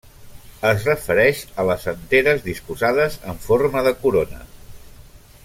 Es refereix a les anteres disposades en forma de corona.